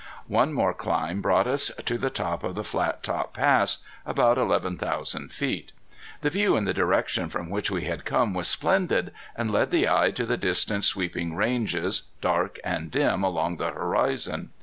One more climb brought us to the top of the Flattop Pass, about eleven thousand feet. The view in the direction from which we had come was splendid, and led the eye to the distant sweeping ranges, dark and dim along the horizon.